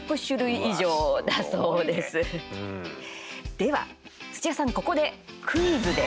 では、土屋さんここでクイズです。